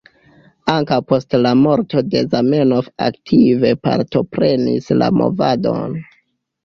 Ankaŭ post la morto de Zamenhof aktive partoprenis la movadon.